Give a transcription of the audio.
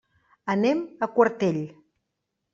Anem a Quartell.